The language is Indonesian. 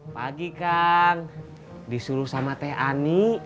pagi kan disuruh sama teh ani